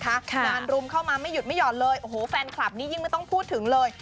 งานรุมเข้ามาไม่หยุดไม่หย่อนเลยโอ้โหแฟนคลับนี้ยิ่งไม่ต้องพูดถึงเลย